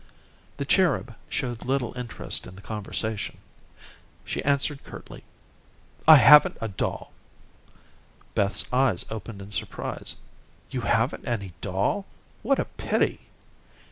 The "Cherub" showed little interest in the conversation. She answered curtly: "I haven't a doll." Beth's eyes opened in surprise. "You haven't any doll? What a pity."